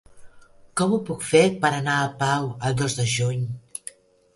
Com ho puc fer per anar a Pau el dos de juny?